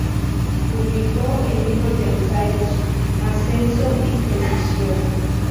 Publicó el libro de ensayos "Ascenso y precisión.